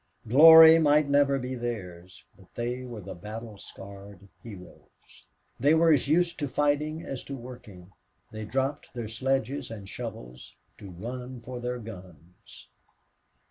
Glory might never be theirs, but they were the battle scarred heroes. They were as used to fighting as to working. They dropped their sledges or shovels to run for their guns.